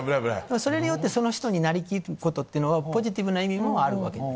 それによってその人になりきることはポジティブな意味もあるわけじゃないですか。